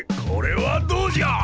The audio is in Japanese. これはどうじゃ！